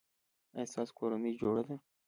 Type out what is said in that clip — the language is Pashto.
ایا ستاسو کورنۍ جوړه ده؟